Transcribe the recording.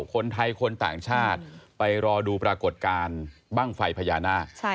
คนไทยคนต่างชาติไปรอดูปรากฏการณ์บ้างไฟพญานาค